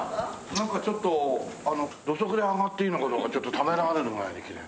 なんかちょっと土足で上がっていいのかどうかちょっとためらわれるぐらいにきれい。